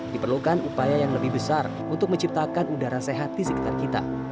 diperlukan upaya yang lebih besar untuk menciptakan udara sehat di sekitar kita